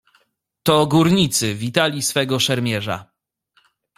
"To górnicy witali swego szermierza."